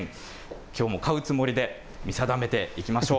きょうも買うつもりで見定めていきましょう。